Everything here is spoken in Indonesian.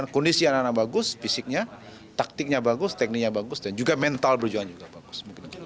kondisi anak anak bagus fisiknya taktiknya bagus tekniknya bagus dan juga mental perjuangan juga bagus